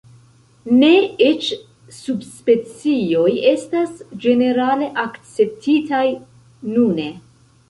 Ne eĉ subspecioj estas ĝenerale akceptitaj nune.